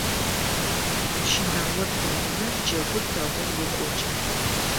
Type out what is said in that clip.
Пщынаор дэгъумэ джэгур дэгъоу екӏокӏы.